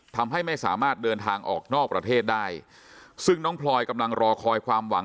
ทำให้ไม่สามารถเดินทางออกนอกประเทศได้ซึ่งน้องพลอยกำลังรอคอยความหวัง